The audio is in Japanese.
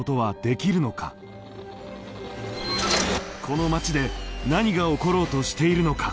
この町で何が起ころうとしているのか。